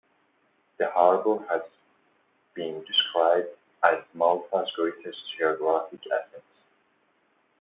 The harbour has been described as Malta's greatest geographic asset.